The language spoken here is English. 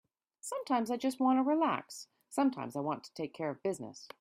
Sometimes I just want to relax, sometimes I want to take care of business.